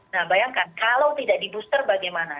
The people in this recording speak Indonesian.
nah bayangkan kalau tidak di booster bagaimana